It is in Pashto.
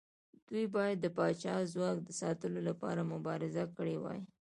دوی باید د پاچا د ځواک ساتلو لپاره مبارزه کړې وای.